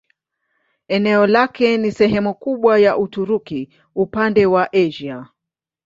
Eneo lake ni sehemu kubwa ya Uturuki upande wa Asia.